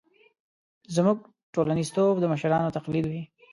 زموږ ټولنیزتوب د مشرانو تقلید وي.